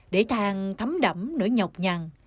để thang thấm đẫm nổi nhọc nhằn